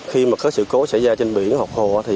khi mà có sự cố xảy ra trên biển hoặc hồ